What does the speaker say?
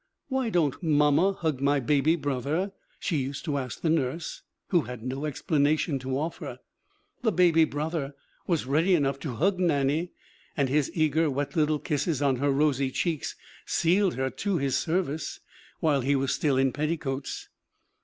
Why don't Mamma hug my baby brother ?' she used to ask the nurse, who had no explanation to offer. The baby brother was ready enough to hug Nannie, and his eager, wet little kisses on her rosy cheeks sealed her to his service while he was still in petticoats.